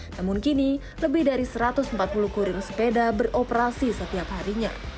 namun kini lebih dari satu ratus empat puluh kurir sepeda beroperasi setiap harinya